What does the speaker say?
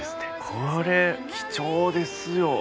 これ貴重ですよ。